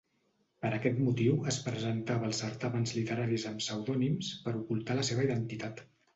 Per aquest motiu es presentava als certàmens literaris amb pseudònims per ocultar la seva identitat.